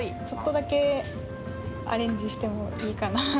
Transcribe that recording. ちょっとだけ「アレンジしてもいいかな？」